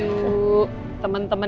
temen temennya reina semuanya